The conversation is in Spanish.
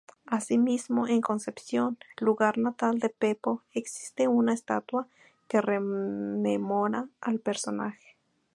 Asimismo, en Concepción, lugar natal de Pepo, existe una estatua que rememora al personaje.